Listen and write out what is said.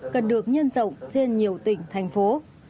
cần được nhân rộng trên nhiều tỉnh thành phố